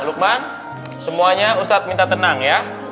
lukman semuanya ustadz minta tenang ya